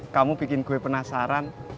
kamu bikin gue penasaran